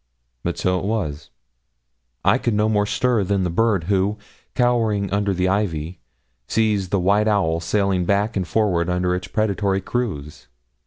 But so it was; I could no more stir than the bird who, cowering under its ivy, sees the white owl sailing back and forward under its predatory cruise.